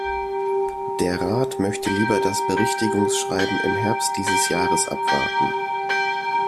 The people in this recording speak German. Der Rat möchte lieber das Berichtigungsschreiben im Herbst dieses Jahres abwarten.